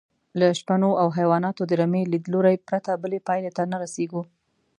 له شپنو او حیواناتو د رمې لیدلوري پرته بلې پایلې ته نه رسېږو.